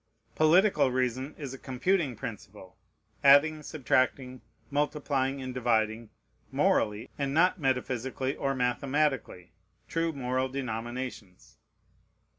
Political reason is a computing principle: adding, subtracting, multiplying, and dividing, morally, and not metaphysically or mathematically, true moral denominations.